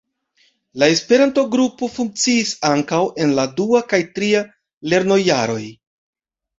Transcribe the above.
La Esperanto-grupo funkciis ankaŭ en la dua kaj tria lernojaroj.